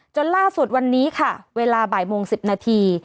จนล่าสุดวันนี้ค่ะเวลาบ่ายโมง๑๐นาที